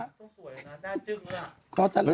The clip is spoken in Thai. ต้องสวยเลยนะน่าจึงเลยอะ